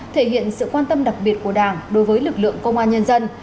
thể hiện sự quan tâm đặc biệt của đảng đối với lực lượng công an nhân dân